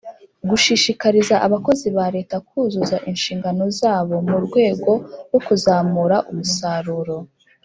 Gushishikariza Abakozi ba Leta kuzuza inshingano zabo mu rwego rwo kuzamura umusaruro